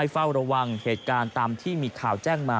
เฝ้าระวังเหตุการณ์ตามที่มีข่าวแจ้งมา